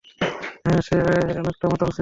হ্যাঁ, সে অনেকটা মাতাল ছিল।